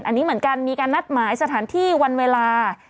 อันนี้เหมือนกันมีการนัดหมายสถานที่วันเวลา